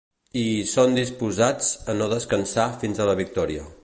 I hi són disposats a no descansar fins a la victòria.